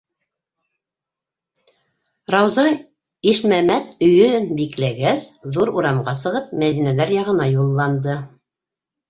Рауза «Ишмәмәт өйө»н бикләгәс, ҙур урамға сығып, Мәҙинәләр яғына юлланды.